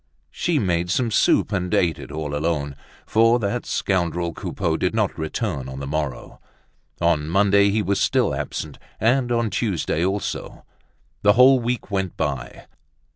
She made some soup, and ate it all alone, for that scoundrel Coupeau did not return on the morrow. On Monday he was still absent, and on Tuesday also. The whole week went by.